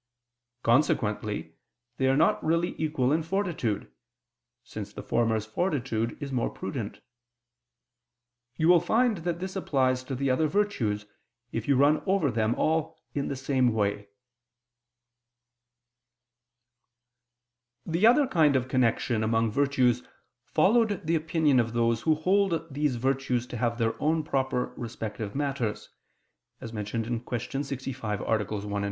Consequently they are not really equal in fortitude, since the former's fortitude is more prudent. You will find that this applies to the other virtues if you run over them all in the same way." The other kind of connection among virtues followed the opinion of those who hold these virtues to have their own proper respective matters (Q. 65, AA. 1, 2).